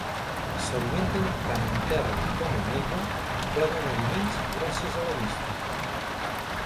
S'alimenten tant en terra com en aigua, plegant aliments gràcies a la vista.